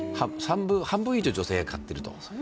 半分以上、女性が買っていると。